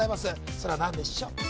それは何でしょう？